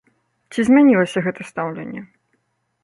Ці змянілася гэта стаўленне?